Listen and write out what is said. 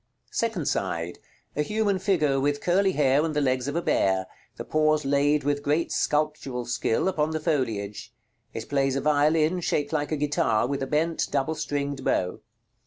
Second side. A human figure, with curly hair and the legs of a bear; the paws laid, with great sculptural skill, upon the foliage. It plays a violin, shaped like a guitar, with a bent double stringed bow.